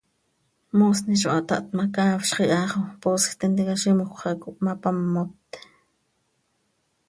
Moosni zo hataht ma, caafzx iha xo poosj tintica zimjöc xah cohmapamot.